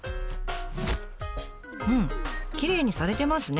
うんきれいにされてますね。